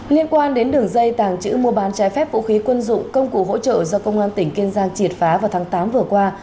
liên quan đến đường dây tàng chữ mua bán trái phép vũ khí quân dụng công cụ hỗ trợ do công an tỉnh kiên giang triệt phá vào tháng tám vừa qua